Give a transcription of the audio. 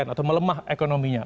atau melemah ekonominya